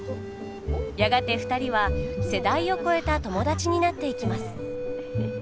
やがて２人は世代を超えた友達になっていきます。